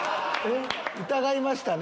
疑いましたね。